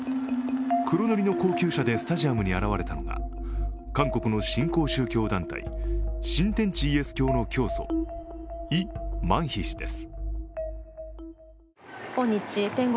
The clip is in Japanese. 黒塗りの高級車でスタジアムに現れたのは韓国の新興宗教団体新天地イエス教の教祖、イ・マンヒ氏です。